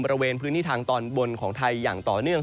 บริเวณพื้นที่ทางตอนบนของไทยอย่างต่อเนื่อง